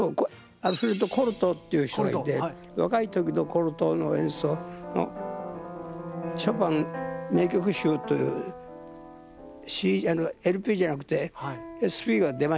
コルトーっていう人がいて若い時のコルトーの演奏のショパン名曲集というＬＰじゃなくてＳＰが出ましたね。